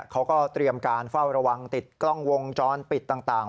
เขาก็เตรียมการเฝ้าระวังติดกล้องวงจรปิดต่าง